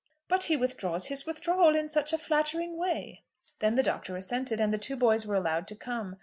"But he withdraws his withdrawal in such a flattering way!" Then the Doctor assented, and the two boys were allowed to come.